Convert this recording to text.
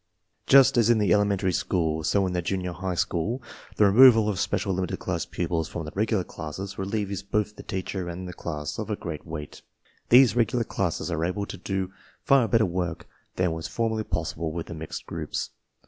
f Just as in the elementary school, so in the junior high sShoof tEe removal of special limited class pupils from I the"regular classes relieves both the teacher and they class of a great weight. These regular classes are able to do far better work than was formerly possible with the mixed groups.